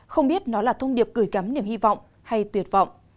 không biết nó là thông điệp gửi cắm niềm hy vọng hay tuyệt vọng